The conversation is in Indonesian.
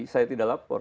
saya tidak lapor